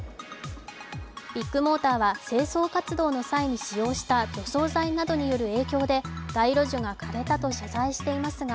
ビッグモーターは製造活動の際に使用した塗装剤などによる影響で街路樹が枯れたと謝罪していますが、